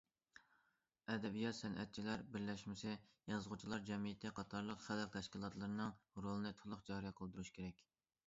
ئەدەبىيات- سەنئەتچىلەر بىرلەشمىسى، يازغۇچىلار جەمئىيىتى قاتارلىق خەلق تەشكىلاتلىرىنىڭ رولىنى تولۇق جارى قىلدۇرۇش كېرەك.